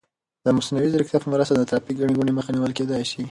د مصنوعي ځیرکتیا په مرسته د ترافیکي ګڼې ګوڼې مخه نیول کیدای شي.